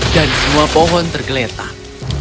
dan semua pohon tergeletak